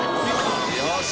よし！